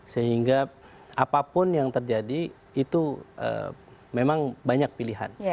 sehingga apapun yang terjadi itu memang banyak pilihan